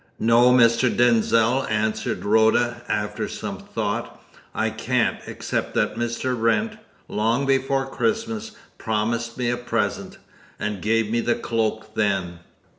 "No, Mr. Denzil," answered Rhoda, after some thought, "I can't, except that Mr. Wrent, long before Christmas, promised me a present, and gave me the cloak then."